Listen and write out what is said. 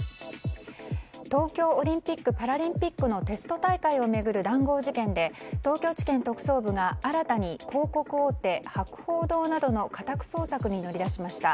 東京オリンピック・パラリンピックのテスト大会を巡る談合事件で東京地検特捜部が新たに広告大手博報堂などの家宅捜索に乗り出しました。